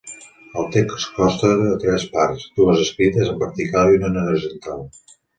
El text consta de tres parts, dues escrites en vertical i una en horitzontal.